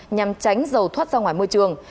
nhằm tránh dầu thoát ra ngoài môi trường